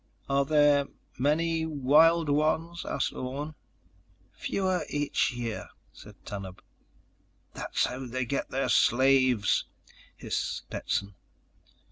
"Are there many ... wild ones?" asked Orne. "Fewer each year," said Tanub. "There's how they get their slaves," hissed Stetson.